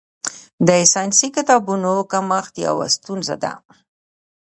د ساینسي کتابونو کمښت یوه ستونزه ده.